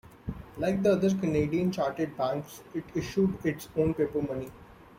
Like the other Canadian chartered banks, it issued its own paper money.